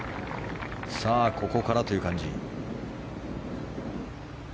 さあ、ここからという感じ。